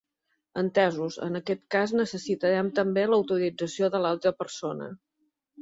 Entesos, en aquest cas necessitarem també l'autorització de l'altra persona.